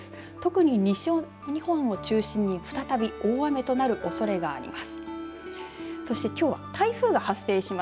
特に西日本を中心に再び大雨となるおそれがあります。